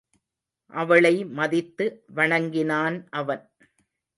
அவளை மதித்து வணங்கினான் அவன்.